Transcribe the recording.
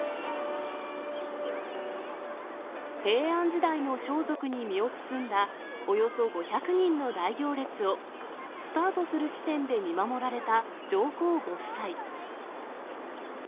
平安時代の装束に身を包んだおよそ５００人の大行列を、スタートする地点で見守られた上皇ご夫妻。